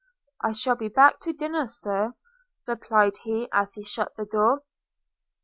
– 'I shall be back to dinner, Sir,' replied he as he shut the door.